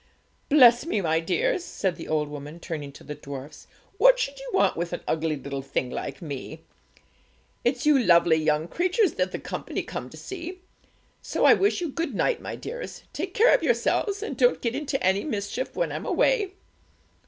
Bless me, my dears!' said the old woman, turning to the dwarfs, 'what should you want with an ugly little thing like me? It's you lovely young creatures that the company come to see. So I wish you good night, my dears. Take care of yourselves, and don't get into any mischief when I'm away!